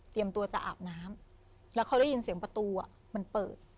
ตัวจะอาบน้ำแล้วเขาได้ยินเสียงประตูอ่ะมันเปิด